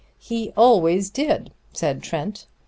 "He always did," said Trent.